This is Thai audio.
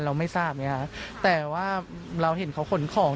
เราไม่ทราบไงฮะแต่ว่าเราเห็นเขาขนของ